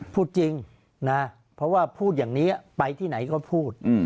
พูดจริงนะเพราะว่าพูดอย่างนี้ไปที่ไหนก็พูด